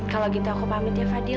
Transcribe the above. kalau gitu aku pamit ya fadil